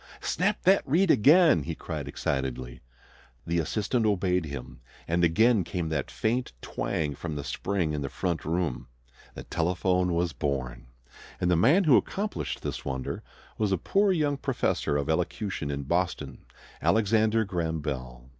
"Snap that reed again!" he cried excitedly. The assistant obeyed him, and again came that faint twang from the spring in the front room. The telephone was born! And the man who accomplished this wonder was a poor young professor of elocution in Boston, Alexander Graham Bell.